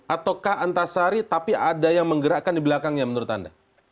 ataukah antasari tapi ada yang menggerakkan di belakangnya menurut anda